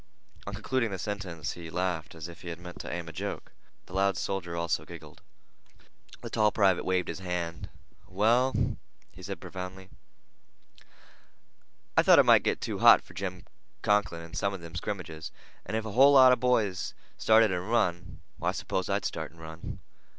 On concluding the sentence he laughed as if he had meant to aim a joke. The loud soldier also giggled. The tall private waved his hand. "Well," said he profoundly, "I've thought it might get too hot for Jim Conklin in some of them scrimmages, and if a whole lot of boys started and run, why, I s'pose I'd start and run.